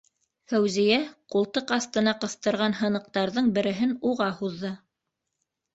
Фәүзиә ҡултыҡ аҫтына ҡыҫтырған һыныҡтарҙың береһен уға һуҙҙы.